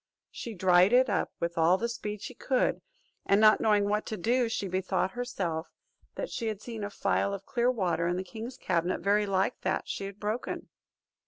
She dried it up with all the speed she could, and not knowing what to do, she bethought herself that she had seen a phial of clear water in the king's cabinet very like that she had broken.